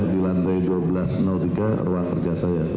di lantai dua belas tiga ruang kerja saya